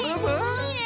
いいね。